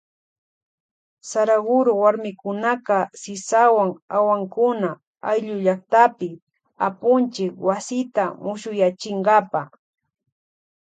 Saraguro warmikunaka sisawan awankuna ayllu llaktapi apunchik wasita mushuyachinkapa.